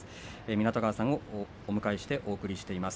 湊川さんをお迎えしてお送りしています。